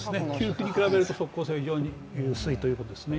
給付に比べると即効性は非常に薄いということですね。